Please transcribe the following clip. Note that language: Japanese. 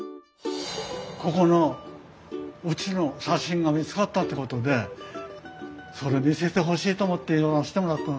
ここのうちの写真が見つかったってことでそれ見せてほしいと思って寄らせてもらったの。